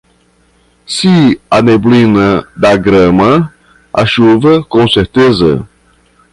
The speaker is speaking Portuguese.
Se a neblina da grama, a chuva com certeza.